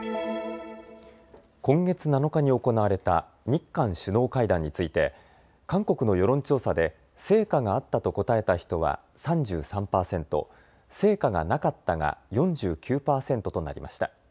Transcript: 今月７日に行われた日韓首脳会談について韓国の世論調査で成果があったと答えた人は３３％、成果がなかったが４９％となりました。